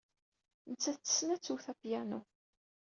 Nettat tessen ad twet apyanu.